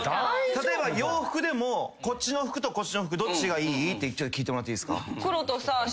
例えば洋服でも「こっちの服とこっちの服どっちがいい？」って聞いてもらっていいですか？